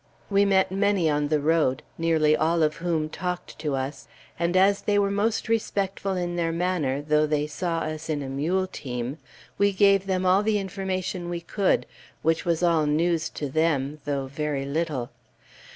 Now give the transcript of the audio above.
We met many on the road, nearly all of whom talked to us, and as they were most respectful in their manner (though they saw us in a mule team!), we gave them all the information we could, which was all news to them, though very little.